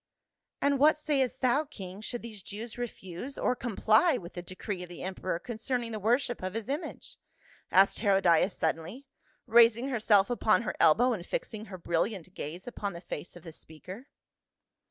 "And what sayest thou, king, should these Jews refuse or comply with the decree of the emperor con cerning the worship of his image?" asked Herodias suddenly, raising herself upon her elbow and fixing her brilliant gaze upon the face of the speaker.